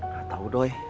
gak tau doi